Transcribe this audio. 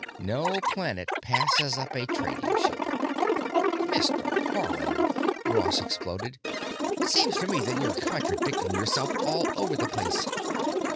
No planet passes up a trading ship." "Mr. Haarland," Ross exploded, "it seems to me that you're contradicting yourself all over the place.